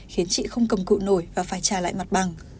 khiến chị không cầm cự nổi và phải trả lại mặt bằng